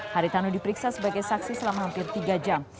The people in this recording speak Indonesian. hari tanu diperiksa sebagai saksi selama hampir tiga jam